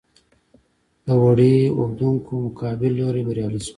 د وړۍ اوبدونکو مقابل لوری بریالي شول.